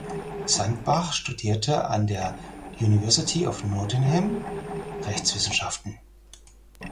Sandbach studierte an der University of Nottingham Rechtswissenschaften.